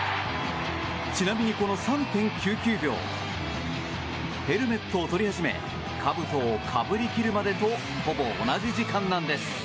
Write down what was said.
ちなみに、この３．９９秒ヘルメットをとり始めかぶとをかぶり切るまでとほぼ同じ時間なんです。